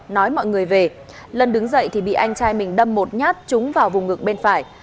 nói mọi người về lân đứng dậy thì bị anh trai mình đâm một nhát trúng vào vùng ngực bên phải